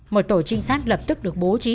một tổ trinh sát lập tức được bố trí